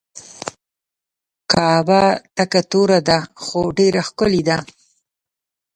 کعبه تکه توره ده خو ډیره ښکلې ده.